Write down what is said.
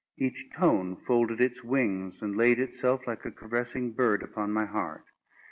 Each tone folded its wings, and laid itself, like a caressing bird, upon my heart.